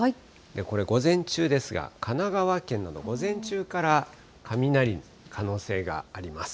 これ午前中ですが、神奈川県など、午前中から雷の可能性があります。